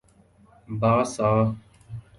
باسا